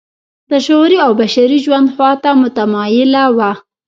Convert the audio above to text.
د شعوري او بشري ژوند خوا ته متمایله وه.